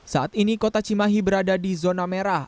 saat ini kota cimahi berada di zona merah